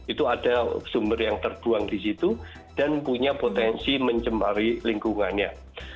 itu ada sumber yang terbuang di situ dan punya potensi mencemari lingkungannya